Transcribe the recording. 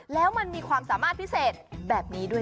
แล้วมันมีความสามารถพิเศษแบบนี้ด้วย